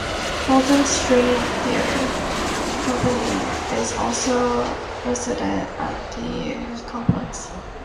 Holden Street Theatre Company is also resident at the complex.